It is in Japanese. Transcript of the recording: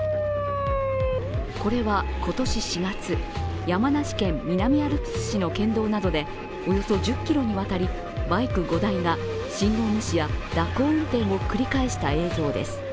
これは今年４月、山梨県南アルプス市の県道などでおよそ１０ｋｍにわたり、バイク５台が信号無視や蛇行運転を繰り返した映像です。